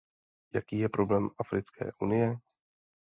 Jaký je problém Africké unie?